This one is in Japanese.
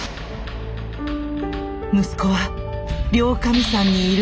息子は両神山にいる。